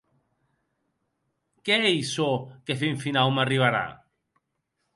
Qué ei çò que fin finau m’arribarà?